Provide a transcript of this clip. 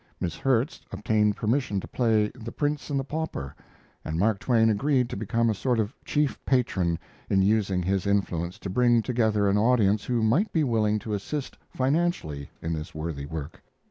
Miss Herts obtained permission to play "The Prince and the Pauper," and Mark Twain agreed to become a sort of chief patron in using his influence to bring together an audience who might be willing to assist financially in this worthy work.